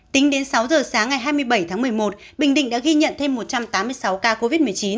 tính đến sáu giờ sáng ngày hai mươi bảy tháng một mươi một bình định đã ghi nhận thêm một trăm tám mươi sáu ca covid một mươi chín